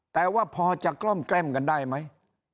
แต่ว่าพอจะกล้อมแกล้มกันได้ไหม